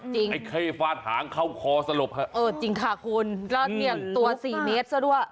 ไอ้เข้ฟาดหางเข้าคอสลบฮะเออจริงค่ะคุณแล้วเนี่ยตัวสี่เมตรซะด้วย